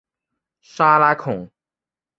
沙朗孔。